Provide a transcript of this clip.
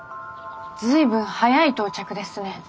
随分早い到着ですね。